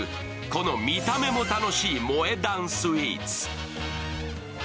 この見た目も楽しい萌え断スイーツ。